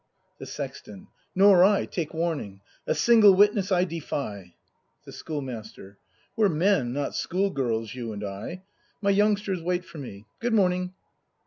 The Sexton. Nor I, take warning! A single witness I defy! The Schoolmaster. We're men, not school girls, you and I. My youngsters wait for me. Good morning.